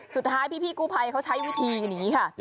สุดท้ายพี่กู้ภัยเขาใช้วิธีกันอย่างนี้ค่ะ